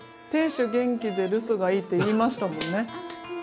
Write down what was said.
亭主元気で留守がいいって言いましたもんね。